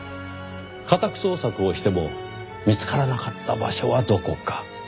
家宅捜索をしても見つからなかった場所はどこか。